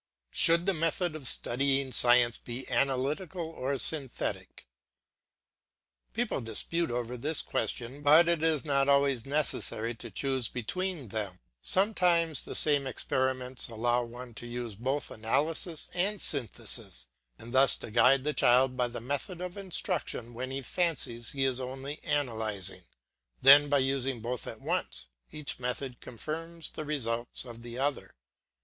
Should the method of studying science be analytic or synthetic? People dispute over this question, but it is not always necessary to choose between them. Sometimes the same experiments allow one to use both analysis and synthesis, and thus to guide the child by the method of instruction when he fancies he is only analysing. Then, by using both at once, each method confirms the results of the other.